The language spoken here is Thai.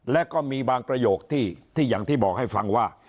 และก็มีบางประโยคที่อย่างที่บอกให้ฟังว่า